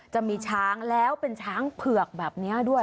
จะมีช้างแล้วเป็นช้างเผือกแบบนี้ด้วย